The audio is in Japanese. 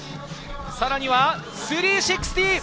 さらには３６０。